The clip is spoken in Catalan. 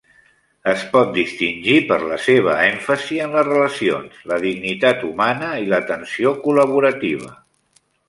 Es pot distingir per la seva èmfasi en les relacions, la dignitat humana i l'atenció col·laborativa.